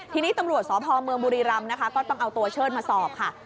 ทีนี้ตำรวจสพเมืองบุรีรำนะคะก็ต้องเอาตัวเชิดมาสอบค่ะ